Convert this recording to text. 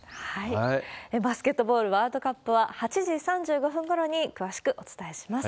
バスケットボールワールドカップは、８時３５分ごろに詳しくお伝えします。